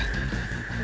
bener apa boi